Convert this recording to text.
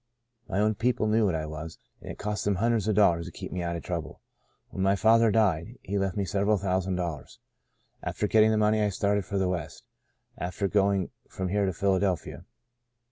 My own people knew what I was, and it cost them hundreds of dollars to keep me out of trouble. When my father died, he left me several thousand dollars. After getting the money I started for the West, after going from here to Philadelphia.